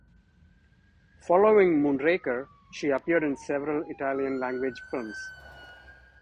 Following "Moonraker", she appeared in several Italian language films.